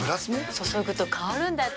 注ぐと香るんだって。